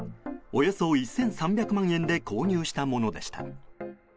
およそ１３００万円で購入したものでした。